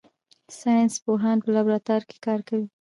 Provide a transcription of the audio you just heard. ساینس پوهان په لابراتوار کې کار کوي